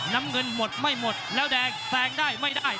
น้ำเงินหมดไม่หมดแล้วแดงแซงได้ไม่ได้